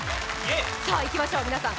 いきましょう、皆さん。